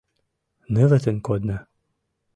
Нылытын кодна.